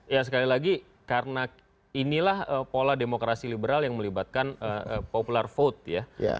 ya sekali lagi karena inilah pola demokrasi liberal yang melibatkan popular vote ya